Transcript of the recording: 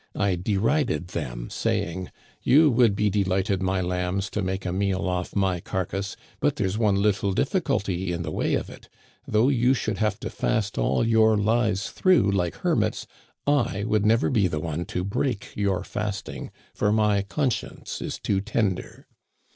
I de rided them, saying :* You would be delighted, my lambs, to make a meal off my carcass, but there's one little difficulty in the way of it ; though you should have to fast all your lives through like hermits I would never be the one to break your fasting, for my conscience is too tender.'